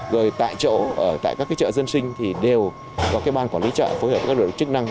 rồi tại chỗ tại các cái chợ dân sinh thì đều có cái ban quản lý chợ phối hợp với các loại chức năng